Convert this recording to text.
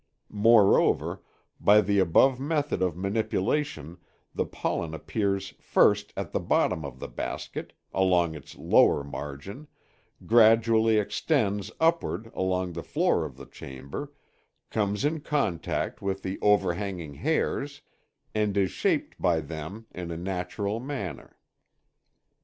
Moreover, by the above method of manipulation the pollen appears first at the bottom of the basket, along its lower margin, gradually extends upward along the floor of the chamber, comes in contact with the overhanging hairs, and is shaped by them in a natural manner.